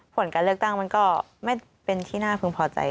ผลการเลือกตั้งมันก็ไม่เป็นที่น่าพึงพอใจ